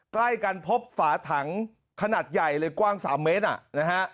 ใกล้กันพบฝาถังขนาดใหญ่เลยกว้าง๓เมตรนะฮะ